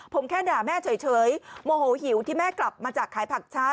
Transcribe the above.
ผมแค่ด่าแม่เฉยโมโหหิวที่แม่กลับมาจากขายผักช้า